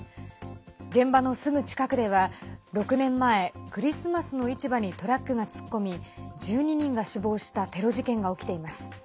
現場のすぐ近くでは、６年前クリスマスの市場にトラックが突っ込み１２人が死亡したテロ事件が起きています。